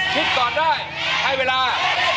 ก่อนได้ให้เวลา